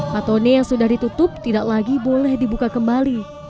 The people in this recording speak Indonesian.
patone yang sudah ditutup tidak lagi boleh dibuka kembali